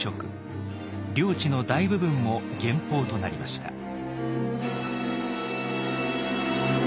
領地の大部分も減封となりました。